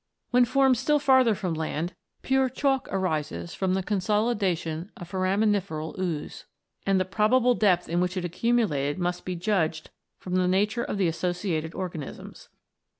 When formed still farther from land, pure chalk arises from the consolidation of foraminiferal ooze, and the probable depth in which it accumulated must be judged from the nature of the associated organisms.